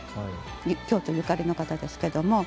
京都ゆかりの方ですけども。